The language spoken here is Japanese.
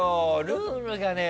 ルールがね